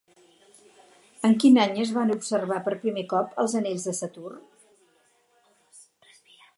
En quin any es van observar per primer cop els anells de Saturn?